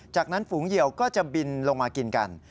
จากนั้นฝูงเหยียวก็จะบินลงมากินกัน